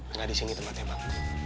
engga disini tempatnya bang